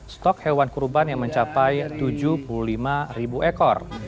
stok hewan kurban yang mencapai tujuh puluh lima ribu ekor